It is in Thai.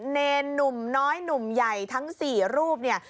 เนรหนุ่มน้อยหนุ่มใหญ่ทั้ง๔รูปเนี่ย